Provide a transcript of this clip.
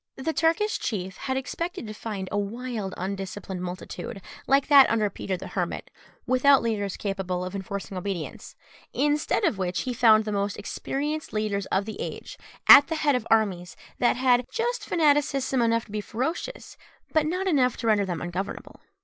The Turkish chief had expected to find a wild undisciplined multitude, like that under Peter the Hermit, without leaders capable of enforcing obedience; instead of which, he found the most experienced leaders of the age at the head of armies that had just fanaticism enough to be ferocious, but not enough to render them ungovernable.